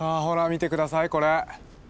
見て下さいこれ。